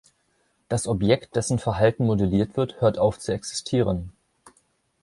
Das Objekt, dessen Verhalten modelliert wird, hört auf zu existieren.